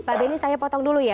pak beni saya potong dulu ya